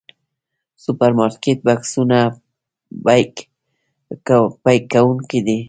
سوپرمارکېټ بکسونو پيک کوونکي دي.